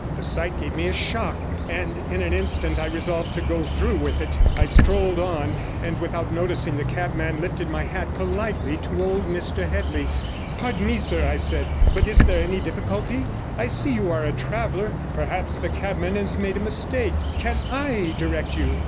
The sight gave me a shock, and in an instant I resolved to go through with it. I strolled on, and without noticing the cabman, lifted my hat politely to old Mr Headley. 'Pardon me, sir,' I said, 'but is there any difficulty? I see you are a traveller; perhaps the cabman has made a mistake. Can I direct you?'